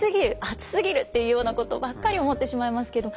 「暑すぎる」っていうようなことばっかり思ってしまいますけど。